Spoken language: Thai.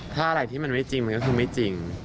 ถ้าอะไรที่มันไม่จริงมันก็คือไม่จริง